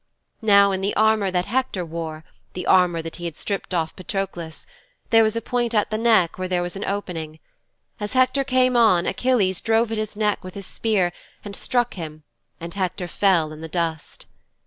Now in the armour that Hector wore the armour that he had stripped off Patroklos there was a point at the neck where there was an opening. As Hector came on Achilles drove at his neck with his spear and struck him and Hector fell in the dust.'